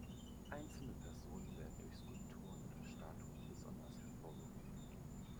Einzelne Personen werden durch Skulpturen oder Statuen besonders hervorgehoben.